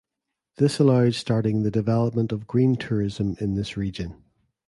This allowed starting the development of green tourism in this region.